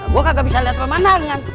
gua kagak bisa liat pemandangan